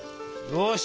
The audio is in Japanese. よし。